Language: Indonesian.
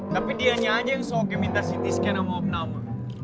tapi dianya aja yang soge minta ct scan sama ob nama